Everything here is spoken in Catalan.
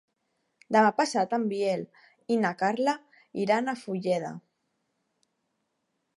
Demà passat en Biel i na Carla iran a Fulleda.